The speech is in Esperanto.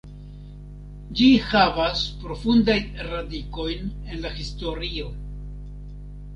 Ĝi havas profundajn radikojn en la historio.